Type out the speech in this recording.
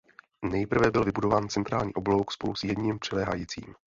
Nejprve byl vybudován centrální oblouk spolu s jedním přiléhajících.